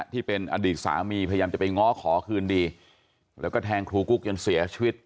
ที่เป็นอดีตสามีพยายามจะไปง้อขอคืนดีแล้วก็แทงครูกุ๊กจนเสียชีวิต